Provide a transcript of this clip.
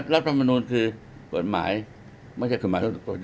รัฐมนูลคือกฎหมายไม่ใช่คฎหมาย